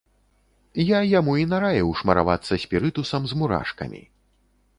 Я яму і нараіў шмаравацца спірытусам з мурашкамі.